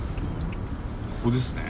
ここですね。